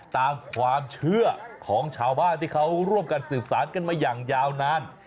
ตามความเชื่อของชาวบ้านที่เขาร่วมกันสืบสารกันมาอย่างยาวนาน